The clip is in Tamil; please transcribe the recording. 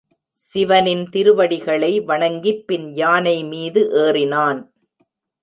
சிவனின் திருவடிகளை வணங்கிப் பின் யானை மீது ஏறினான்.